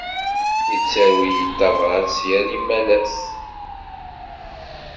Yettaru-iyi-d tabṛat yal imalas.